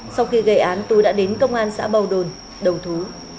sau khi gây án tú đã đến công an xã bầu đồn đầu thú